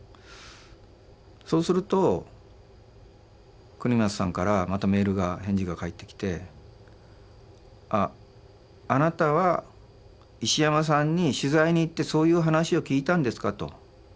そうすると國松さんからまたメールが返事が返ってきて「あなたは石山さんに取材に行ってそういう話を聞いたんですか？」と。